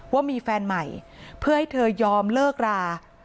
ว่ามีแฟนใหม่เพื่อให้เธอยอมเลิกรา